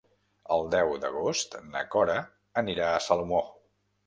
El deu d'agost na Cora anirà a Salomó.